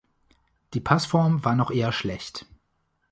Die Passform war noch eher schlecht.